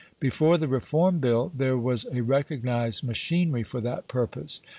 Before the Reform Bill, there was a recognised machinery for that purpose.